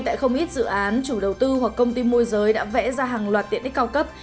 tại không ít dự án chủ đầu tư hoặc công ty môi giới đã vẽ ra hàng loạt tiện ích cao cấp